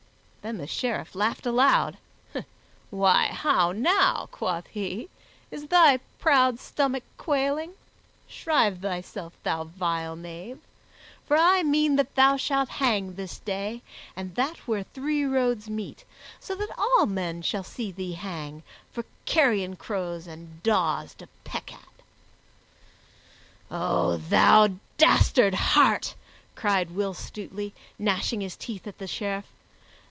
Then the Sheriff laughed aloud. "Why, how now," quoth he, "is thy proud stomach quailing? Shrive thyself, thou vile knave, for I mean that thou shalt hang this day, and that where three roads meet, so that all men shall see thee hang, for carrion crows and daws to peck at." "O thou dastard heart!" cried Will Stutely, gnashing his teeth at the Sheriff.